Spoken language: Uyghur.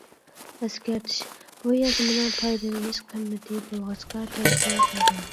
ئەسكەرتىش: بۇ يازمىنىڭ پايدىلىنىش قىممىتى بولغاچقا تەۋسىيە قىلدىم.